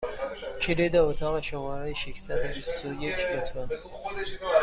کلید اتاق شماره ششصد و بیست و یک، لطفا!